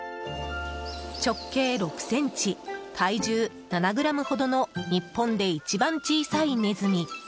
直径６ｃｍ、体重７ｇほどの日本で一番小さいネズミ。